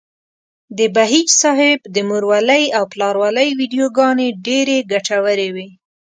د بهيج صاحب د مورولۍ او پلارولۍ ويډيوګانې ډېرې ګټورې وې.